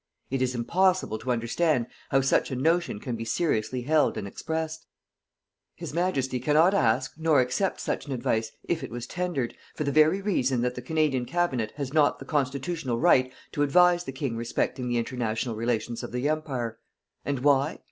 It is impossible to understand how such a notion can be seriously held and expressed. His Majesty cannot ask nor accept such an advice, if it was tendered, for the very reason that the Canadian Cabinet has not the constitutional right to advise the King respecting the international relations of the Empire. And why?